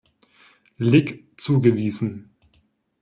Lig zugewiesen.